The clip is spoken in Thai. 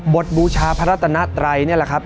บทบูชาพระราตนาไตรนี่แหละครับ